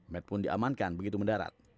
med pun diamankan begitu mendarat